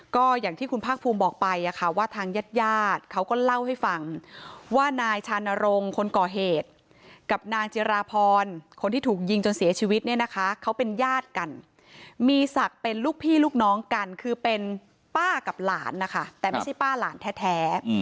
ก็อย่างที่คุณภาคภูมิบอกไปว่าทางญาติญาติเขาก็เล่าให้ฟังว่านายชานรงค์คนก่อเหตุกับนางจิราพรคนที่ถูกยิงจนเสียชีวิตเนี่ยนะคะเขาเป็นญาติกันมีศักดิ์เป็นลูกพี่ลูกน้องกันคือเป็นป้ากับหลานนะคะแต่ไม่ใช่ป้าหลานแท้